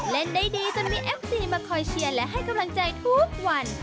เล่นได้ดีจนมีเอฟซีมาคอยเชียร์และให้กำลังใจทุกวัน